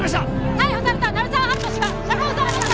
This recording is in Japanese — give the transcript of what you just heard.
・逮捕された鳴沢温人氏が釈放されました！